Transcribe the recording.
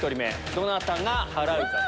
どなたが払うか？